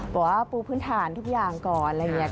บอกว่าปูพื้นฐานทุกอย่างก่อนแล้วยะแบบนี้